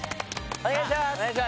お願いします。